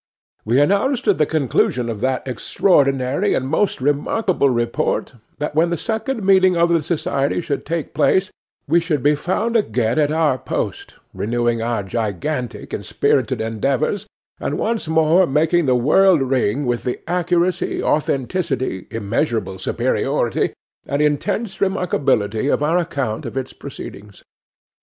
We announced at the conclusion of that extraordinary and most remarkable Report, that when the Second Meeting of the Society should take place, we should be found again at our post, renewing our gigantic and spirited endeavours, and once more making the world ring with the accuracy, authenticity, immeasurable superiority, and intense remarkability of our account of its proceedings.